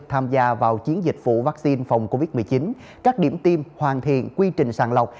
tham gia vào chiến dịch phủ vaccine phòng covid một mươi chín các điểm tiêm hoàn thiện quy trình sàng lọc